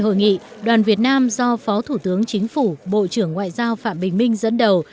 hội nghị đoàn việt nam do phó thủ tướng chính phủ bộ trưởng ngoại giao phạm bình minh dẫn đầu